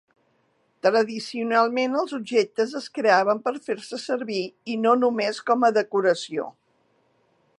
Tradicionalment, els objectes es creaven per fer-se servir i no només com a decoració.